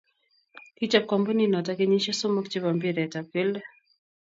kichob kambunit noto kenyishe somok che bo mpiret ab kelto